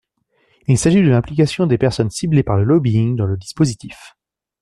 Il s’agit de l’implication des personnes ciblées par le lobbying dans le dispositif.